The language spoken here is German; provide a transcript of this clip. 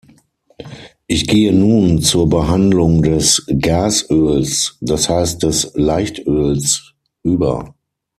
Ich gehe nun zur Behandlung des Gasöls, das heißt des Leichtöls, über.